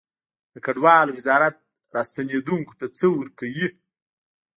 د کډوالو وزارت راستنیدونکو ته څه ورکوي؟